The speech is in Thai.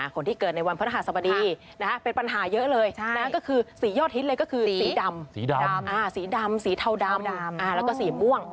คนที่เกิดในวันพระหัสบดีเป็นปัญหาเยอะเลยก็คือสียอดฮิตเลยก็คือสีดำสีดำสีดำสีเทาดำแล้วก็สีม่วง